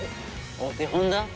お手本だ？